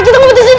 kita mau disini